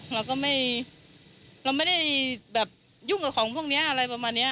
เราก็ไม่เราไม่ได้แบบยุ่งกับของพวกนี้อะไรประมาณนี้